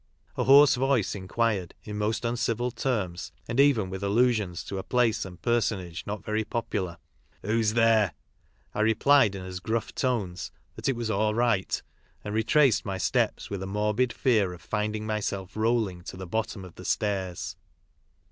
hoar . s ® vo ;?e inquired, in most uncivil terms, and even with allusions to a place and personage not very popular, « Who's there ?» I replied in as gruff tones that it was "all right, and retraced my iteps with a morbid fear of finding myself rolling to tfie bottom of the stairs.